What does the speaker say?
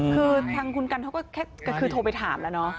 คือทางคุณกันเขาก็คือโทรไปถามแล้วเนาะ